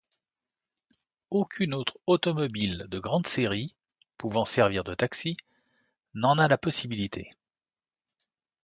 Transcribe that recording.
Aucune autre automobile de grande série, pouvant servir de taxi, n'en a la possibilité.